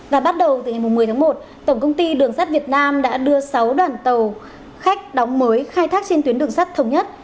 và bắt đầu từ ngày một mươi tháng một tổng công ty đường sắt việt nam đã đưa sáu đoàn tàu khách đóng mới khai thác trên tuyến đường sắt thống nhất